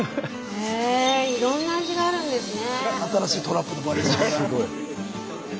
へえいろんな味があるんですね。